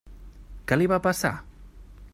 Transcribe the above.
Què li va passar?